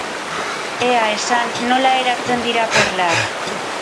Ea, esan, nola eratzen dira perlak?